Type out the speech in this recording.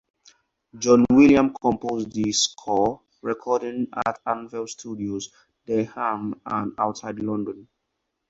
John Williams composed the score, recording it at Anvil Studios, Denham, outside London.